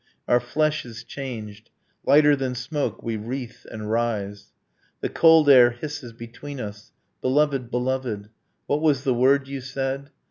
Our flesh is changed, Lighter than smoke we wreathe and rise ... The cold air hisses between us ... Beloved, beloved, What was the word you said?